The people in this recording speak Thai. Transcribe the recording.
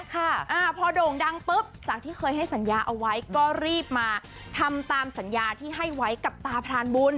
พอโด่งดังปุ๊บจากที่เคยให้สัญญาเอาไว้ก็รีบมาทำตามสัญญาที่ให้ไว้กับตาพรานบุญ